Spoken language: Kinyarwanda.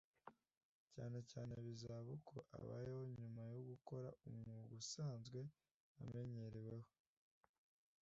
cyane cyane bibaza uko abayeho nyuma yo gukora umwuga asanzwe amenyerewemo